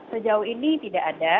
sejauh ini tidak ada